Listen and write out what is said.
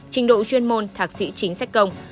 trình độ chuyên môn thạc sĩ chính sách công